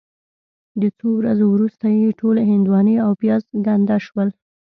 د څو ورځو وروسته یې ټولې هندواڼې او پیاز ګنده شول.